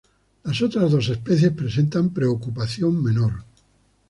Las otras dos especies presentan preocupación menor.